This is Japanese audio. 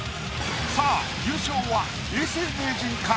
さぁ優勝は永世名人か？